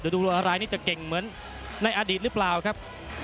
ดูอะไรนี่จะเก่งเหมือนในอดีตหรือเปล่าครับ